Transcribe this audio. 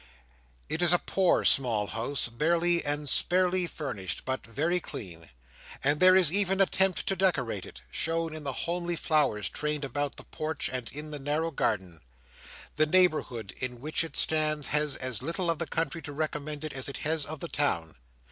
It is a poor small house, barely and sparely furnished, but very clean; and there is even an attempt to decorate it, shown in the homely flowers trained about the porch and in the narrow garden. The neighbourhood in which it stands has as little of the country to recommend it, as it has of the town.